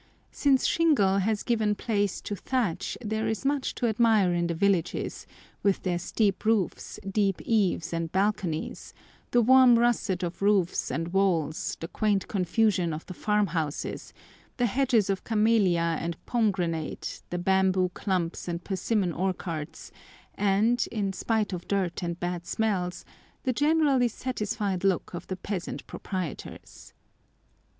Since shingle has given place to thatch there is much to admire in the villages, with their steep roofs, deep eaves and balconies, the warm russet of roofs and walls, the quaint confusion of the farmhouses, the hedges of camellia and pomegranate, the bamboo clumps and persimmon orchards, and (in spite of dirt and bad smells) the generally satisfied look of the peasant proprietors.